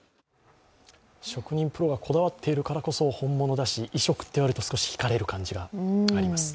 食にプロがこだわっているからこそ本物だし、異色っていわれると引かれる感じがします。